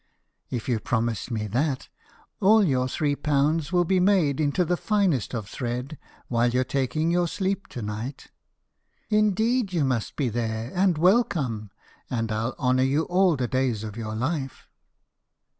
If you promise me that, all your three pounds will be made into the finest of thread while you're taking your sleep to night." "Indeed, you must be there and welcome, and I'll honour you all the days of your life."